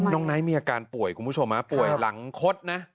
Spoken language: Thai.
ไนท์มีอาการป่วยคุณผู้ชมป่วยหลังคดนะ